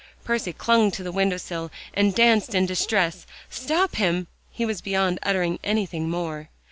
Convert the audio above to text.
Percy clung to the window sill, and danced in distress. "Stop him!" he was beyond uttering anything more.